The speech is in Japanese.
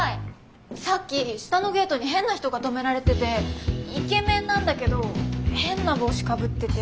さっき下のゲートに変な人が止められててイケメンなんだけど変な帽子かぶってて。